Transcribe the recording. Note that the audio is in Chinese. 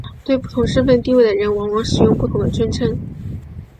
对不同身份地位的人往往使用不同的尊称。